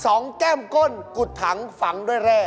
แก้มก้นกุดถังฝังด้วยแร่